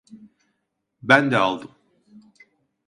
Ben de aldım.